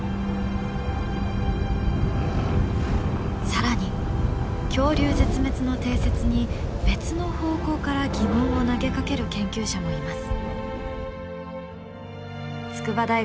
更に恐竜絶滅の定説に別の方向から疑問を投げかける研究者もいます。